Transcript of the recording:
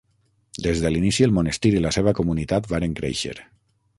Des de l'inici el monestir i la seva comunitat varen créixer.